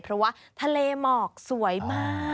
เพราะว่าทะเลหมอกสวยมาก